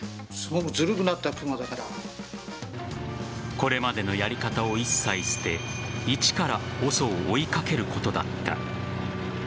これまでのやり方を一切捨て一からＯＳＯを追いかけることだった。